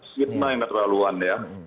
fitnah yang keterlaluan ya